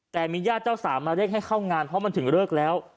แต่มีญาติเจ้าสาวมาเรียกให้เข้างานเพราะมันถึงเลิกแล้ว